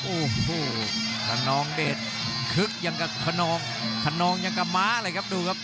โอ้โหคนนองเดชคึกอย่างกับคนนองขนองอย่างกับม้าเลยครับดูครับ